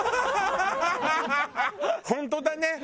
本当だね。